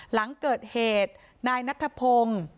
หลังเกิดเหตุนายนัทพงศ์